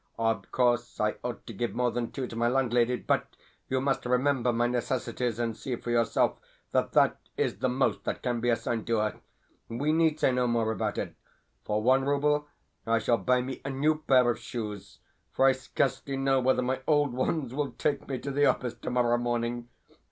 Of course, I ought to give more than two to my landlady, but you must remember my necessities, and see for yourself that that is the most that can be assigned to her. We need say no more about it. For one rouble I shall buy me a new pair of shoes, for I scarcely know whether my old ones will take me to the office tomorrow morning.